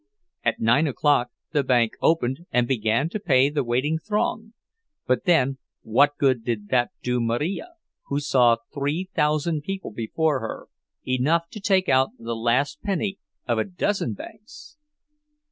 At nine o'clock the bank opened and began to pay the waiting throng; but then, what good did that do Marija, who saw three thousand people before her—enough to take out the last penny of a dozen banks?